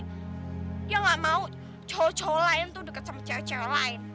dia gak mau cowok cowok lain tuh deket sama cewek cewek lain